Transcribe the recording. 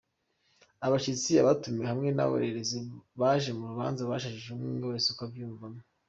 Abashitsi, abatumire hamwe n'abarorerezi baje mu rubanza bashajije umwumwe wese ukwo avyiyumvamwo.